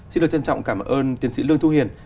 xin được trân trọng cảm ơn tiến sĩ lương thu hiền